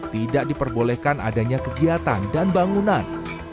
tidak diperbolehkan adanya kegiatan dan bangunan